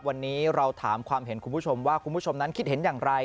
วันนี้เราถามความเห็นคุณผู้ชมว่าคุณผู้ชมนั้นคิดเห็นอย่างไร